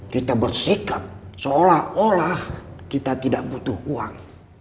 kita bersikap seolah olah kita tidak butuh uang